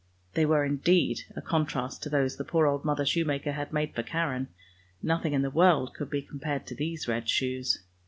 They were indeed a contrast to those the poor old mother shoemaker had made for Karen. Nothing in the world could be compared to these red shoes.